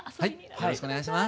よろしくお願いします。